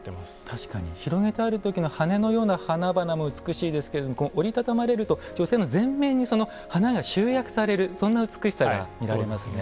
確かに、広げてあるような鳥の羽のような花々も美しいですけれども折り畳まれると女性の全面に花が集約されるそんな美しさが見られますね。